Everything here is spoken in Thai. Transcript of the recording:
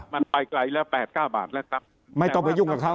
มันไปไกลแล้ว๘๙บาทแล้วครับไม่ต้องไปยุ่งกับเขา